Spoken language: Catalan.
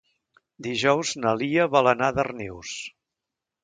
Dijous na Lia vol anar a Darnius.